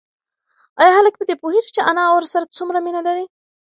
ایا هلک په دې پوهېږي چې انا ورسره څومره مینه لري؟